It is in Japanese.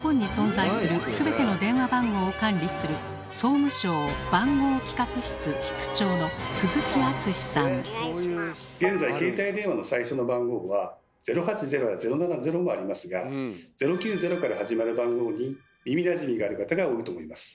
日本に存在する全ての電話番号を管理する現在携帯電話の最初の番号は「０８０」や「０７０」もありますが「０９０」から始まる番号に耳なじみがある方が多いと思います。